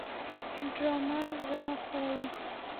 ډرامه رڼا خپروي